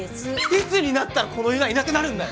いつになったらこの犬はいなくなるんだよ！？